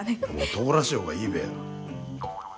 男らしい方がいいべや！